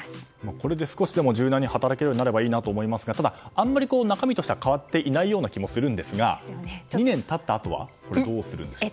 これで少しでも柔軟に働けるようになればいいなと思いますがただ、あんまり中身としては変わっていないような気もするんですが２年経ったあとはどうするんでしょうか？